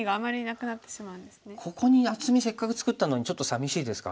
ここに厚みせっかく作ったのにちょっとさみしいですか。